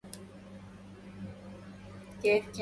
شعرنا بالقليل من الذعر.